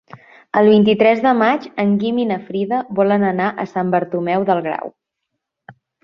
El vint-i-tres de maig en Guim i na Frida volen anar a Sant Bartomeu del Grau.